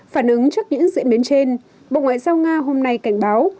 phản ứng trước những diễn biến trên bộ ngoại giao nga hôm nay cảnh báo